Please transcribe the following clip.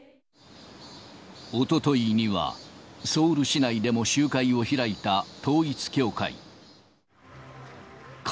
おとといにはソウル市内でも集会を開いた統一教会。